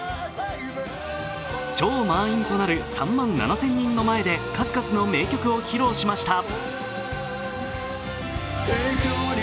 超満員となる３万７０００人の前で数々の名曲を披露しました。